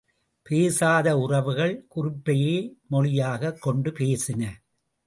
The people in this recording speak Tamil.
பேசாத உறவுகள், குறிப்பையே மொழியாகக் கொண்டு பேசின.